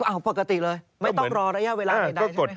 อ้าวปกติเลยไม่ต้องรอระยะเวลาใดใช่ไหมครับ